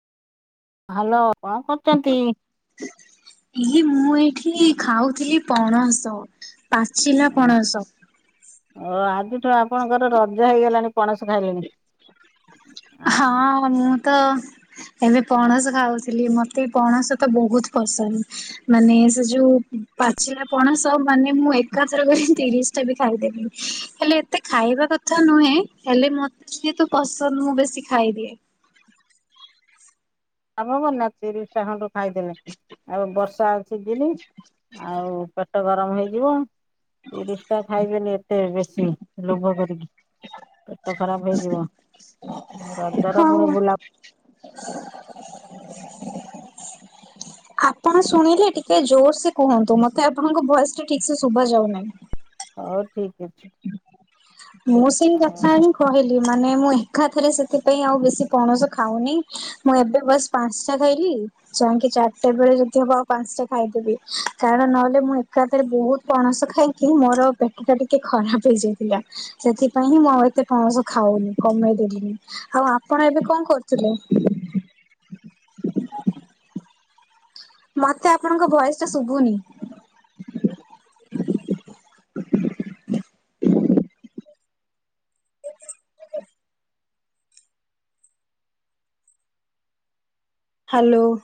Hello କଣ କରୁଚନ୍ତି? ଇଏ ମୁଁ ଏଇଠି ଖାଉଥିଲି ପଣସ ପାଚିଲା ପଣସ ଓ ଆଜିଠୁ ଆପଣଙ୍କର ରଜ ହେଇଗଲାଣି ପଣସ ଖାଇଲେଣି ହଁ ମୁଁ ତ ଏବେ ପଣସ ଖାଉଥିଲି, ମତେ ପଣସ ତ ବହୁତ ପସନ୍ଦ ମାନେ ସେ ଯୋଉ ପାଚିଲା ପଣସ ମାନେ ମୁଁ ଏକାଥରେ କରି ତିରିଶଟା ବି ଖାଇଦେବି - ହେଲେ ଏତେ ଖାଇବା କଥା ନୁହେଁ ହେଲେ ମତେ ଯେହେତୁ ପସନ୍ଦ ମୁଁ ବେଶୀ ଖାଇଦିଏ। ଆପଣ କର ନା ତିରିଶଟା ଖଣ୍ଡେ ଖାଇଦେଲେ ଆଉ ବର୍ଷା ଆଉ ସିଜିନି - ଆଉ ପେଟ ଗରମ ହେଇଯିବ ତିରିଶଟା ଖାଇବେନି ଏତେ ବେଶୀ- ଲୋଭ କରିକି ପେଟ ଖରାପ ହେଇଯିବ ରଜର ହଁ ପୁଣି ବୁଲା- ଆପଣ ଶୁଣିଲେ ଟିକେ ଜୋରସେ କୁହନ୍ତୁ ମତେ ଆପଣଙ୍କ ଭୟସଟା ଠିକସେ ଶୁଭା ଯାଉନାଇଁ। ହଉ ଠିକ ଅଛି ମୋ ସାଙ୍ଗେ କଥା ହେବେ - କହିଲି ମାନେ ମୁଁ ଏକାଥରେ ସେଥିପାଇଁ ଆଉ ବେଶୀ ପଣସ ଖାଉନି- ମୁଁ ଏବେ ବାସ ପାଂସଟା ଖାଇଲି ଯାଇକି ଚାରିଟା ବେଳେ ଯଦି ହବ ଆଉ ପାଂସଟା ଖାଇଦେବି କାରଣ ନହେଲେ ମୁଁ ଏକାଥରେ ବହୁତ ପଣସ ଖାଇକି ମୋର ପେଟୁଟା ଟିକେ ଖରାପ ହେଇଯାଇଥିଲା। ସେଇଥି ପାଇଁ ହିଁ ମୁଁ ଆଉ ଏତେ ପଣସ ଖାଉନି କମେଇ ଦେଲିଣି, ଆଉ ଆପଣ ଏବେ କଣ କରୁଥିଲେ? ମତେ ଆପଣଙ୍କ ଭୟସଟା ଶୁଭୁନି [inaudible] ହ୍ୟାଲୋ